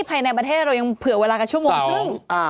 ภายในประเทศเรายังเผื่อเวลากันชั่วโมงครึ่ง